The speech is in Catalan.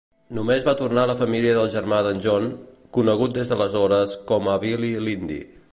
Només va tornar a la família el germà d'en John, conegut des d'aleshores com a "Billy l'indi".